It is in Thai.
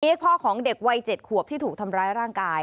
พ่อของเด็กวัย๗ขวบที่ถูกทำร้ายร่างกาย